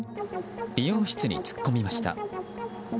美容室に突っ込みました。